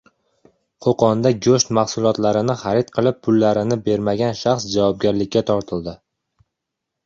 Qo‘qonda go‘sht mahsulotlarini xarid qilib pullarini bermagan shaxs javobgarlikka tortildi